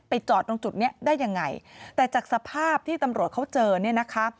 จอดตรงจุดเนี้ยได้ยังไงแต่จากสภาพที่ตำรวจเขาเจอเนี่ยนะคะ